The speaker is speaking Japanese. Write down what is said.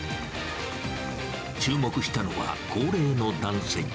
注目したのは、高齢の男性。